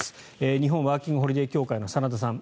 日本ワーキング・ホリデー協会の真田さん。